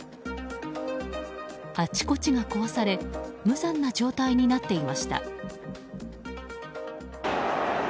あちこちが壊され無惨な状態になっていました。